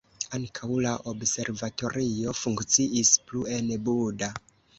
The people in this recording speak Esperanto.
Ankaŭ la observatorio funkciis plu en Buda.